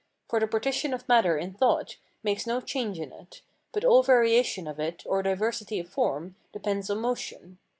For the partition of matter in thought makes no change in it; but all variation of it, or diversity of form, depends on motion.